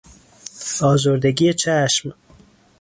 آزردگی چشم